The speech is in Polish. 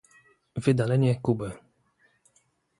wydalenie Kuby